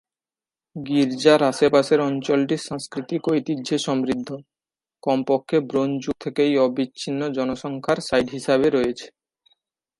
গির্জার আশেপাশের অঞ্চলটি সাংস্কৃতিক ঐতিহ্যে সমৃদ্ধ, কমপক্ষে ব্রোঞ্জ যুগ থেকেই অবিচ্ছিন্ন জনসংখ্যার সাইট হিসাবে রয়েছে।